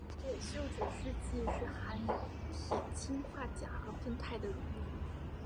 铁锈指示剂是含有铁氰化钾和酚酞的溶液。